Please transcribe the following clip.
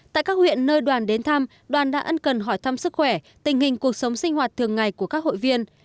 tại các huyện nơi đoàn đến thăm đoàn đã ân cần hỏi thăm sức khỏe tình hình cuộc sống sinh hoạt thường ngày của các hội viên